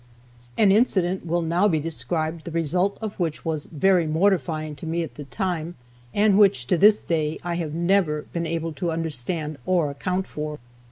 An incident will now be described, the result of which was very mortifying to me at the time, and which, to this day, I have never been able to understand, or account for.